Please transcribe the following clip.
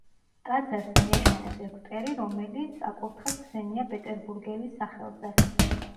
ტაძარს მიაშენეს ეგვტერი, რომელიც აკურთხეს ქსენია პეტერბურგელის სახელზე.